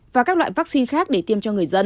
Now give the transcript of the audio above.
và các loại vaccine khác để tiêm cho người dân